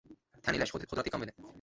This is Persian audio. تنهی لش خود را تکان بده!